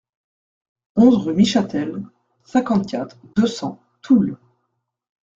onze rue Michâtel, cinquante-quatre, deux cents, Toul